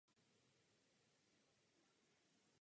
Přesto však chci požádat Komisi o provedení hloubkového šetření.